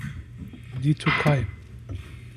Die Türkei.